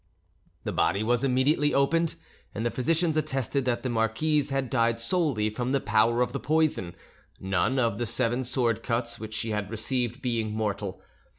The body was immediately opened, and the physicians attested that the marquise had died solely from the power of the poison, none of the seven sword cuts which she had received being, mortal.